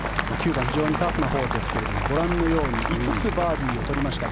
９番、非常にタフなホールですがご覧のように５つバーディーを取りました。